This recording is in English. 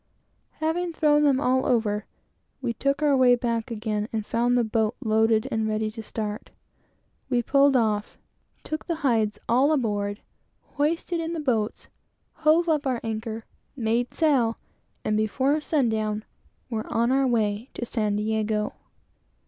Having thrown them all down, we took our way back again, and found the boat loaded and ready to start. We pulled off; took the hides all aboard; hoisted in the boats; hove up our anchor; made sail; and before sundown, were on our way to San Diego.